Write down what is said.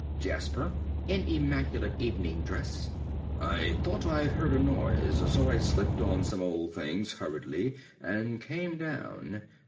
_) ~Jasper~ (in immaculate evening dress). I thought I heard a noise, so I slipped on some old things hurriedly and came down.